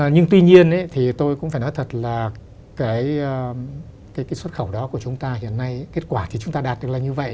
nhưng tuy nhiên thì tôi cũng phải nói thật là cái xuất khẩu đó của chúng ta hiện nay kết quả thì chúng ta đạt được là như vậy